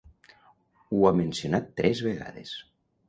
Ho ha mencionat tres vegades.